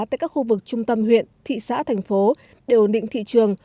tại các khu vực trung tâm huyện thị xã thành phố để ổn định thị trường